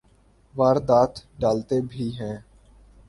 واردات ڈالتے بھی ہیں۔